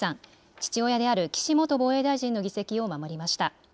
父親である岸元防衛大臣の議席を守りました。